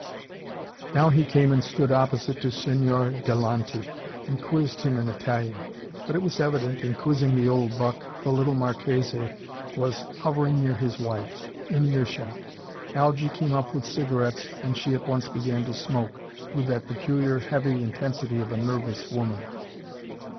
Now he came and stood opposite to Signor di Lanti, and quizzed him in Italian. But it was evident, in quizzing the old buck, the little Marchese was hovering near his wife, in ear shot. Algy came up with cigarettes, and she at once began to smoke, with that peculiar heavy intensity of a nervous woman.